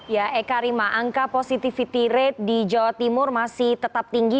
ya eka rima angka positivity rate di jawa timur masih tetap tinggi